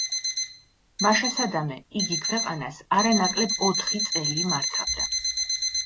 მაშასადამე, იგი ქვეყანას არანაკლებ ოთხი წელი მართავდა.